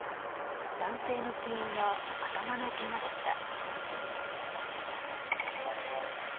男性の死因は頭のけがでした。